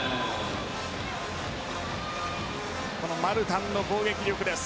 マルタンの攻撃力です。